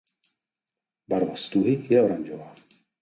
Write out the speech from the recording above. Barva stuhy je oranžová.